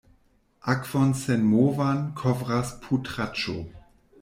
Akvon senmovan kovras putraĵo.